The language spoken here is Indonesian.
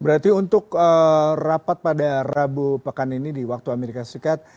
berarti untuk rapat pada rabu pekan ini di waktu amerika serikat